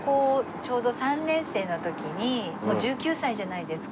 ちょうど３年生の時にもう１９歳じゃないですか。